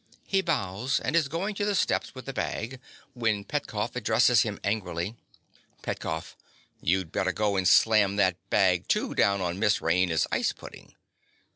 (He bows, and is going to the steps with the bag, when Petkoff addresses him angrily.) PETKOFF. You'd better go and slam that bag, too, down on Miss Raina's ice pudding!